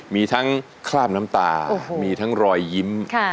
มีทั้งคราบน้ำตามีทั้งรอยยิ้ม